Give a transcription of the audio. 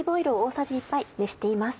熱しています。